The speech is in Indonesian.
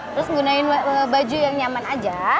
terus gunain baju yang nyaman aja